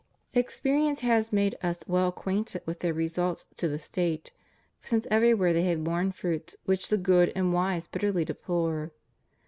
Experience has made us well acquainted with their results to the State, since everywhere they have borne fruits which the good and wise bitterly deplore.